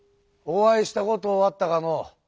お会いしたことあったかの？